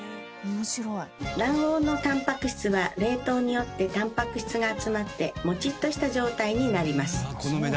卵黄のタンパク質は冷凍によってタンパク質が集まってモチっとした状態になります。